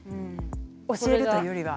教えるというよりは。